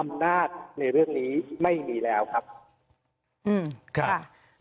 อำนาจในเรื่องนี้ไม่มีแล้วครับ